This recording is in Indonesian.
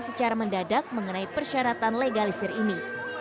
kota banjarmasin mendadak mengenai persyaratan legalisir ini